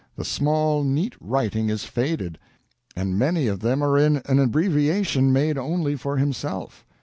The small, neat writing is faded, and many of them are in an abbreviation made only for himself.